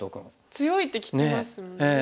強いって聞きますもんね。